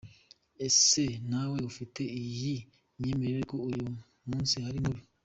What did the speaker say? Ese nawe ufite iyi myemerere ko uyu munsi ari mubi?.